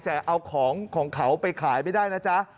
แต่เอาของของเขาไปขายไม่ได้นะจ๊ะ